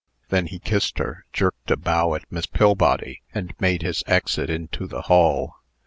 Then he kissed her, jerked a bow at Miss Pillbody, and made his exit into the hall.